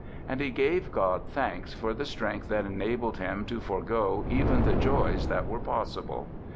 And he gave God thanks for the strength that enabled him to forgo even the joys that were possible.